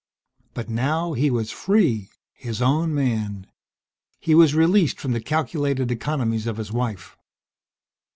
But now he was free. His own man. He was released from the calculated economies of his wife.